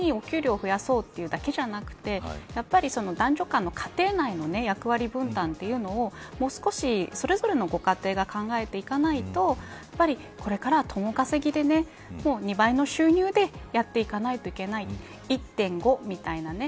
だから単にお給料を増やそうというだけじゃなくて男女間の家庭内の役割分担というのをもう少し、それぞれのご家庭が考えていかないとやっぱり、これからは共稼ぎでね２倍の収入でやっていかないといけない１．５みたいなね。